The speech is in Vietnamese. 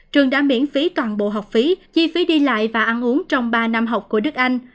trường đã miễn phí toàn bộ học phí chi phí đi lại và ăn uống trong ba năm học của đức anh